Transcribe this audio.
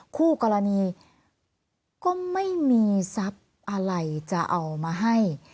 คู่กรณีก็ไม่มีทรัพย์อะไรจะเอามาให้